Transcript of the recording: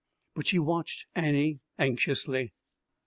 But she watched Annie anxiously.